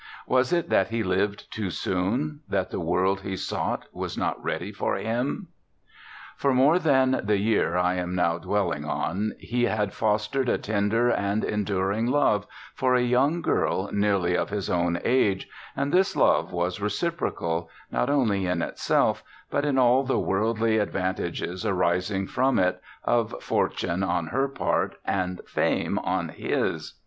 Was it that he lived too soon, that the world he sought was not ready for him? For more than the year I am now dwelling on, he had fostered a tender and enduring love for a young girl nearly of his own age, and this love was reciprocal, not only in itself, but in all the worldly advantages arising from it of fortune on her part and fame on his.